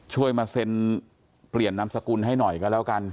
ช่วยมาเซ็นเปลี่ยนนามสกุลให้หน่อยก็แล้วกัน